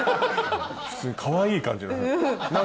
かわいい感じの。